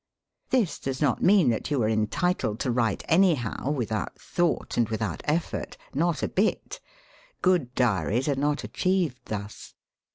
This does not mean that you are entitled to write anyhow, without thought and without ef fort. Not a bit. Good diaries are not achieved thus.